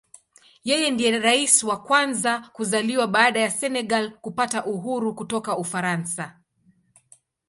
Yeye ndiye Rais wa kwanza kuzaliwa baada ya Senegal kupata uhuru kutoka Ufaransa.